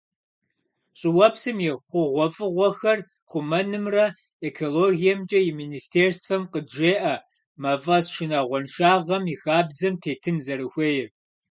ЩӀыуэпсым и хъугъуэфӀыгъуэхэр хъумэнымрэ экологиемкӀэ и министерствэм къыджеӏэ мафӀэс шынагъуэншагъэм и хабзэм тетын зэрыхуейр.